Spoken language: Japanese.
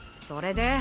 それで？